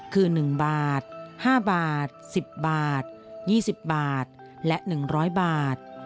คือ๑บาท๕บาท๑๐บาท๒๐บาทและ๑๐๐บาท